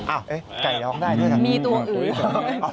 อ้าวไก่ร้องได้ด้วยค่ะอื้อมมีตัวอื่น